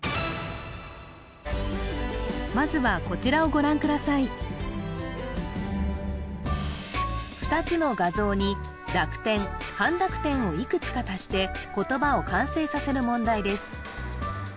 まずは２つの画像に濁点半濁点をいくつか足して言葉を完成させる問題です